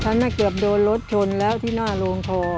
ฉันเกิดโดนรถชนแล้วที่หน้าโลงทอ